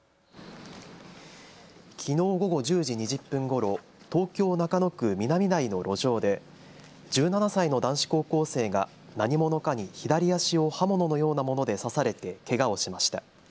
きのう午後１０時２０分ごろ、東京中野区南台の路上で１７歳の男子高校生が何者かに左足を刃物のようなもので刺されてけがをしました。